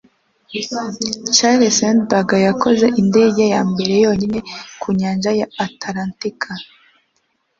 charles lindbergh yakoze indege ya mbere yonyine ku nyanja ya atalantika